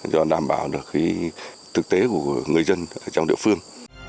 cho đảm bảo được cái thực tế của người dân trong địa phương